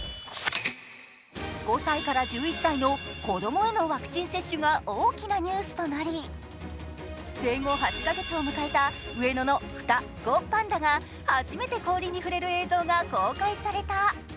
５歳から１１歳の子どもへのワクチン接種が大きなニュースとなり、生後８カ月を迎えた双子パンダが初めて氷に触れる映像が公開された。